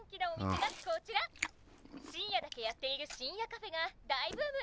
深夜だけやっている深夜カフェが大ブーム！